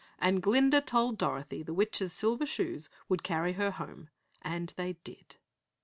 "And Glinda told Dorothy the Witch's silver shoes would carry her home and they did!"